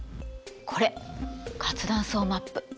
これ活断層マップ。